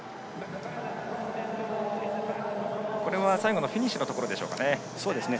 最後のフィニッシュのところでしょうか。